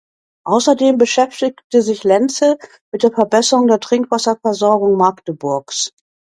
Außerdem beschäftigte sich Lentze mit der Verbesserung der Trinkwasserversorgung Magdeburgs.